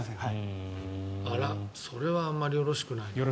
それはあまりよろしくないな。